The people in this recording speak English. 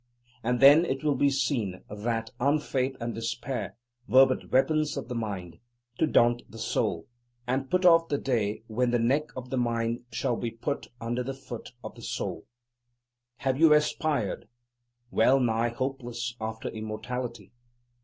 And then it will be seen that unfaith and despair were but weapons of the "mind," to daunt the Soul, and put off the day when the neck of the "mind" shall be put under the foot of the Soul. Have you aspired, well nigh hopeless, after immortality?